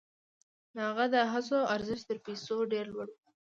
د هغه د هڅو ارزښت تر پیسو ډېر لوړ و.